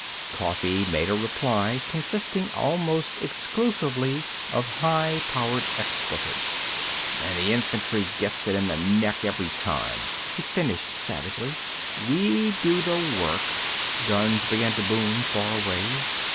Coffee made a reply consisting almost exclusively of high powered expletives. "—and the infantry gets it in the neck every time," he finished savagely. "We do the work—" Guns began to boom, far away.